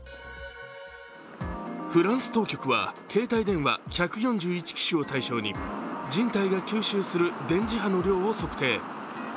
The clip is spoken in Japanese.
フランス当局は携帯電話１４１機種を対象に人体が吸収する電磁波の量を測定。